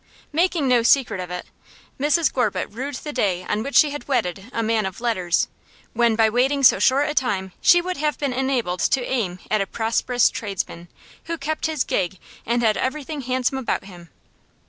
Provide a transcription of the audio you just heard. Making no secret of it, Mrs Gorbutt rued the day on which she had wedded a man of letters, when by waiting so short a time she would have been enabled to aim at a prosperous tradesman, who kept his gig and had everything handsome about him.